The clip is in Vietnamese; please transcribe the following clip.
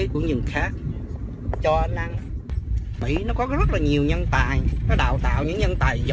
cũng như nguyễn công chứ